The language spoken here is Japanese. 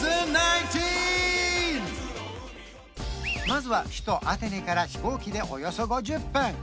まずは首都アテネから飛行機でおよそ５０分